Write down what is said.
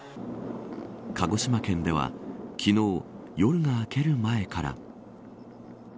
鹿児島県では、昨日夜が明ける前から。